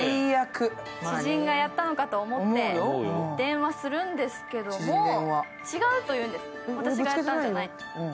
知人がやったのかと思って電話するんですけども、違うと言うんです、私がやったんじゃないと。